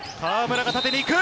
河村が縦に行く。